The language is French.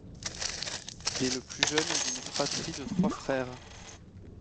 Il est le plus jeune d'une fratrie de trois frères.